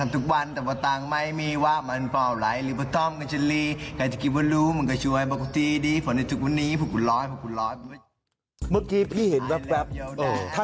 เมื่อกี้พี่เห็นแบบท่านชูนิ้วให้ดอมด้วย